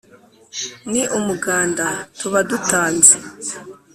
ni umuganda tuba dutanze